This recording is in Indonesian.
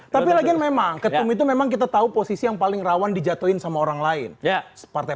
tapi lagi memang ketem itu memang kita tahu posisi yang paling rawan di jatuhin sama orang lain partai